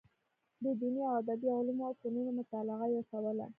د دیني او ادبي علومو او فنونو مطالعه یې کوله.